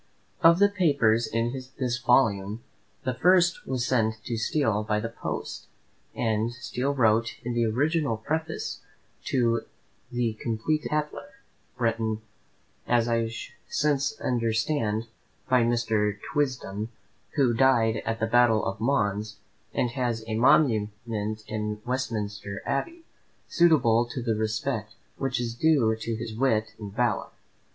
Of the papers in this volume, the first was sent to Steele by the post, and Steele wrote in the original Preface to the completed "Tatler" "written, as I since understand, by Mr. Twisdon, who died at the battle of Mons, and has a monument in Westminster Abbey, suitable to the respect which is due to his wit and valour."